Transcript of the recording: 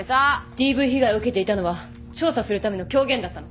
ＤＶ被害を受けていたのは調査するための狂言だったの？